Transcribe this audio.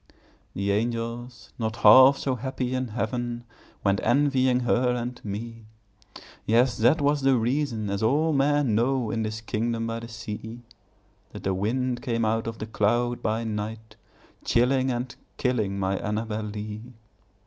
The angels, not half so happy in heaven, Went envying her and me; Yes, that was the reason (as all men know, In this kingdom by the sea) That the wind came out of the cloud by night, Chilling and killing my Annabel Lee.